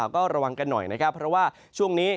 ก็ระวังกันหน่อยนะครับเพราะว่าช่วงนี้